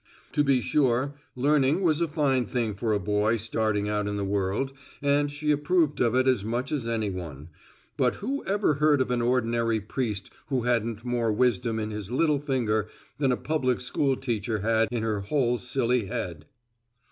To be sure, learning was a fine thing for a boy starting out in the world and she approved of it as much as any one, but who ever heard of an ordinary priest who hadn't more wisdom in his little finger than a public school teacher had in her whole silly head!